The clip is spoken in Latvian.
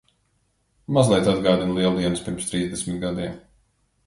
Mazliet atgādina Lieldienas pirms trīsdesmit gadiem.